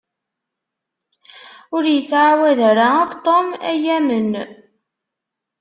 Ur ittɛawad ara akk Tom ad yi-yamen.